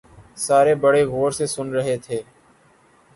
سارے بڑے غور سے سن رہے تھے